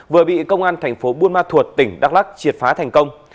vừa bị công an thành phố buôn ma thuột tỉnh đắk lắc triệt phá thành công